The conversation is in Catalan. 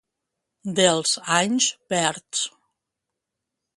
Dels anys verds.